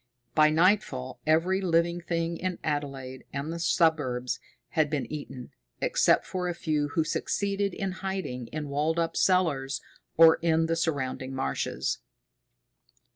By nightfall every living thing in Adelaide and the suburbs had been eaten, except for a few who succeeded in hiding in walled up cellars, or in the surrounding marshes.